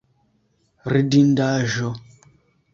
Ridindaĵo!